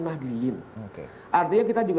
mahdiin artinya kita juga